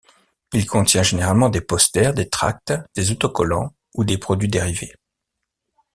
Il contient généralement des posters, des tracts, des autocollants ou des produits dérivés.